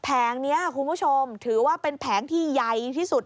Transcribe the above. แผงนี้คุณผู้ชมถือว่าเป็นแผงที่ใหญ่ที่สุด